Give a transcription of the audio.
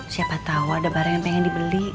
siapa tahu ada barang yang pengen dibeli